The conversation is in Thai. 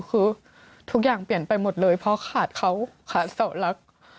คือทุกอย่างเปลี่ยนไปหมดเลยเพราะขาดเขาขาดเสาหลัก